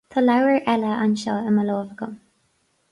Tá leabhar eile anseo i mo láimh agam